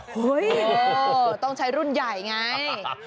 เฮ้ยต้องใช้รุ่นใหญ่ไง